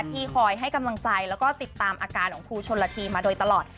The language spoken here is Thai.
ที่คอยให้กำลังใจแล้วก็ติดตามอาการของครูชนละทีมาโดยตลอด